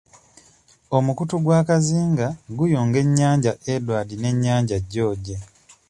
Omukutu gwa Kazinga guyunga ennyanja Edward n'ennyanja George.